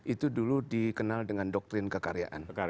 itu dulu dikenal dengan doktrin kekaryaan